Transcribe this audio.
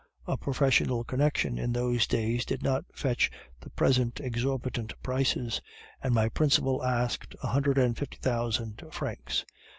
A professional connection in those days did not fetch the present exorbitant prices, and my principal asked a hundred and fifty thousand francs.